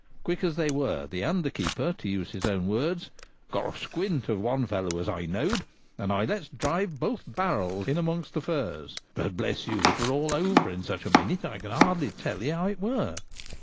Quick as they were, the under keeper, to use his own words, ' got a squint of one fellow as I knowed ; and I lets drive both barrels in among the firs. But, bless you ! it were all over in such a minute that I can't hardly tell 'ee how it were.